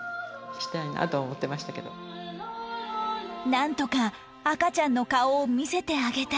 なんとか赤ちゃんの顔を見せてあげたい